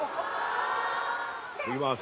いきます